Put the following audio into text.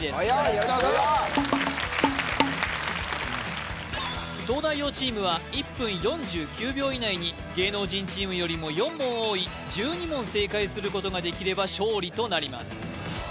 よろしくどうぞ東大王チームは１分４９秒以内に芸能人チームよりも４問多い１２問正解することができれば勝利となります